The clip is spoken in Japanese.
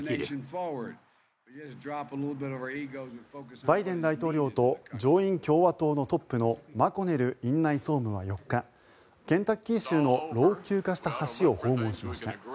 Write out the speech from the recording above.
バイデン大統領と上院共和党トップのマコネル院内総務は４日ケンタッキー州の老朽化した橋を訪問しました。